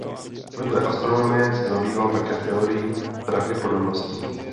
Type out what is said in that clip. Vedle astronomie se zabýval také teorií pravděpodobnosti.